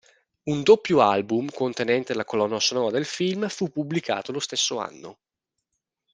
Un doppio album contenente la colonna sonora del film fu pubblicato lo stesso anno.